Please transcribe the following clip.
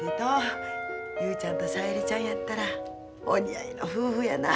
雄ちゃんと小百合ちゃんやったらお似合いの夫婦やな。